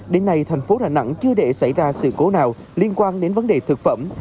đến nay thành phố đà nẵng chưa để xảy ra sự cố nào liên quan đến vấn đề thực phẩm